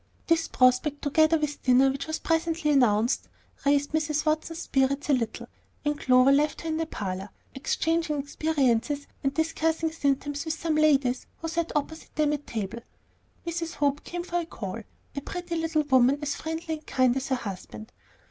This prospect, together with dinner, which was presently announced, raised Mrs. Watson's spirits a little, and Clover left her in the parlor, exchanging experiences and discussing symptoms with some ladies who had sat opposite them at table. Mrs. Hope came for a call; a pretty little woman, as friendly and kind as her husband.